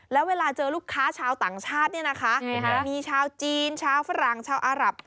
แล้วเวลาเจอลูกค้าชาวต่างชาติเนี่ยนะคะมีชาวจีนชาวฝรั่งชาวอารับ